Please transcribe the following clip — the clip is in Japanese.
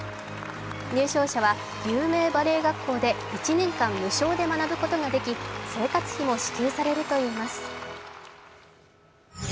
入賞者は、有名バレエ学校で１年間、無償で学ぶことができ生活費も支給されるといいます。